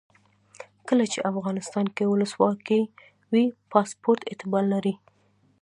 کله چې افغانستان کې ولسواکي وي پاسپورټ اعتبار لري.